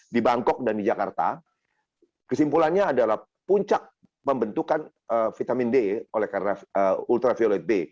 di bangkok dan di jakarta kesimpulannya adalah puncak pembentukan vitamin d oleh ultraviolet b